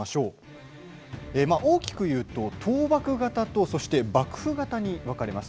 大きくいうと倒幕方と幕府方に分かれます。